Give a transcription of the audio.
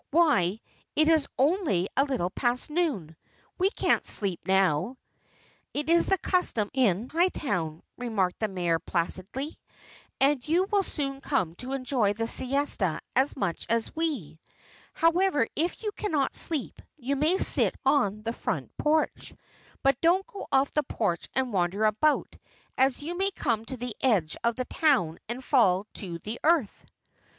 "Why, it is only a little past noon. We can't sleep now." "It is the custom in Hightown," remarked the Mayor placidly, "and you will soon come to enjoy the siesta as much as we. However, if you cannot sleep, you may sit on the front porch. But don't go off the porch and wander about, as you may come to the edge of the town and fall to the earth."